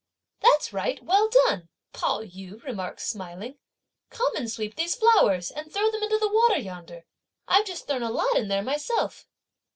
"That's right, well done!" Pao yü remarked smiling; "come and sweep these flowers, and throw them into the water yonder. I've just thrown a lot in there myself!"